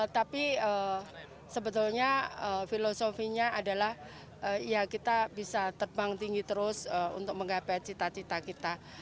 tapi sebetulnya filosofinya adalah ya kita bisa terbang tinggi terus untuk menggapai cita cita kita